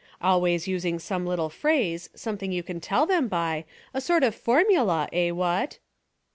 Always using some little phrase, something you can tell them by, a sort of formula, eh, what?"